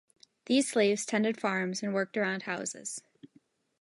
These slaves tended farms and worked around houses.